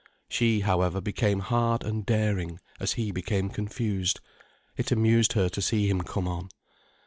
She, however, became hard and daring as he became confused, it amused her to see him come on.